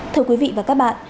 thưa quý vị và các bạn